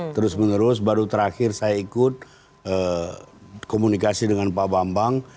terus menerus baru terakhir saya ikut komunikasi dengan pak bambang